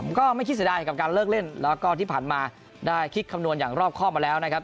ก็ไม่คิดเสียดายกับการเลิกเล่นแล้วก็ที่ผ่านมาได้คิดคำนวณอย่างรอบครอบมาแล้วนะครับ